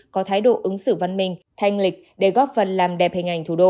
có thái độ ứng xử văn minh thanh lịch để góp phần làm đẹp hình ảnh thủ đô